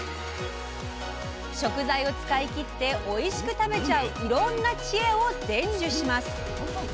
食材を使い切っておいしく食べちゃういろんな知恵を伝授します。